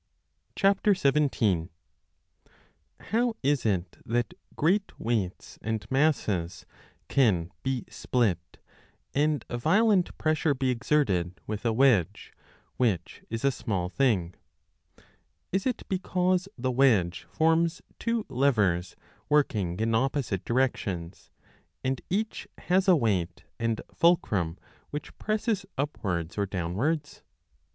17 How is it that great weights and masses can be split and violent pressure be exerted with a wedge, which is ao H B A E FIG. 9. d small thing ? Is it because the wedge forms two levers working in opposite directions, and each has a weight and fulcrum which presses upwards or downwards